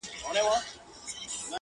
ځكه ځوانان ورانوي ځكه يې زړگي ورانوي!!